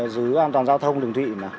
dưới an toàn giao thông đường thị